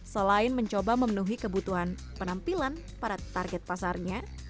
selain mencoba memenuhi kebutuhan penampilan pada target pasarnya